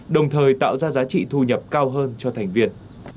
đồng thời tạo ra giá trị thu nhập cao hơn cho thành viên